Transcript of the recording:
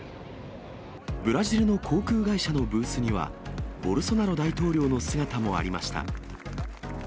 ブラジルの航空会社のブースには、ボルソナロ大統領の姿もありました。